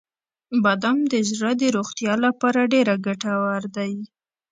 • بادام د زړه د روغتیا لپاره ډیره ګټور دی.